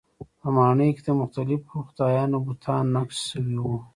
په ماڼۍ کې د مختلفو خدایانو بتان نقش شوي وو.